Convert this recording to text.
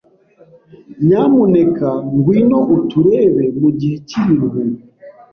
Nyamuneka ngwino uturebe mugihe cyibiruhuko.